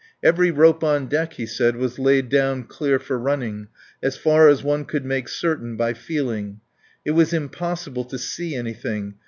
Every rope on deck, he said, was laid down clear for running, as far as one could make certain by feeling. It was impossible to see anything.